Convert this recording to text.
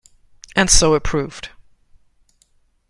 And so it proved.